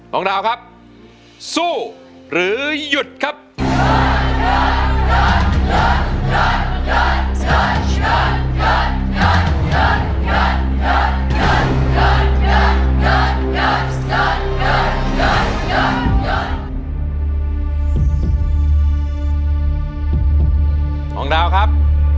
ดาวครับสู้หรือหยุดครับ